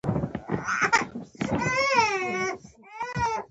د احمد او علي اخلاق یو له بل نه ځمکه او اسمان توپیر لري.